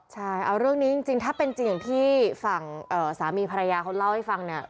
ใช่เอาเรื่องนี้จริงถ้าเป็นจริงอย่างที่ฝั่งสามีภรรยาเขาเล่าให้ฟังเนี่ย